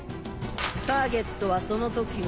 ターゲットはその時の。